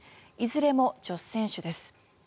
いずれも女子選手です。